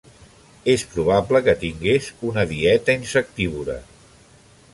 És probable que tingués una dieta insectívora.